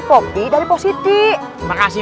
kopi dari positi makasih